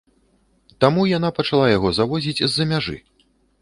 Таму яна пачала яго завозіць з-за мяжы.